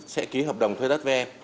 sẽ ký hợp đồng thuê đất với em